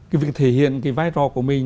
cái việc thể hiện cái vai rò của mình